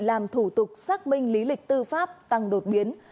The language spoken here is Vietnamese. làm thủ tục xác minh lý lịch tư pháp tăng đột biến